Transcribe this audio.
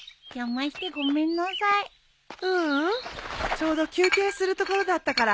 ちょうど休憩するところだったから。